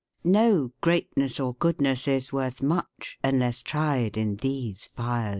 No greatness or goodness is worth much, unless tried in these fires."